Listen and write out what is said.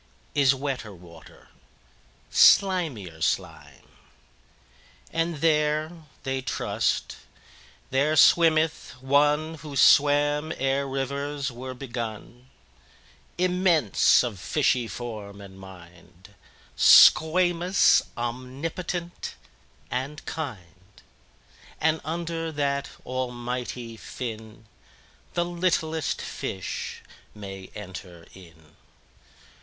18Is wetter water, slimier slime!19And there (they trust) there swimmeth One20Who swam ere rivers were begun,21Immense, of fishy form and mind,22Squamous, omnipotent, and kind;23And under that Almighty Fin,24The littlest fish may enter in.